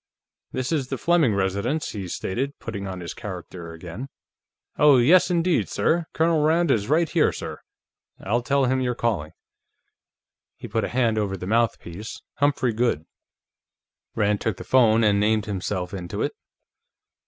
"This is the Fleming residence," he stated, putting on his character again. "Oh, yes indeed, sir. Colonel Rand is right here, sir; I'll tell him you're calling." He put a hand over the mouthpiece. "Humphrey Goode." Rand took the phone and named himself into it.